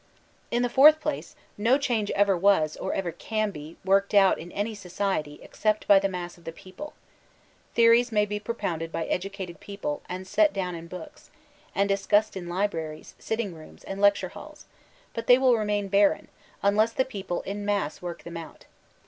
In the fourth place, no change ever was, or ever can be, worked out in any society, except by the mass of the people. Theories may be propounded by educated peo ple, and set down in books, and discussed in libraries* sitting rooms and lecture halls ; but diey will remain bar ren, unless the people in mass work them out.